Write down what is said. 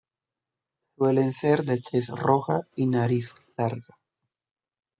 Suelen ser de tez roja y nariz larga.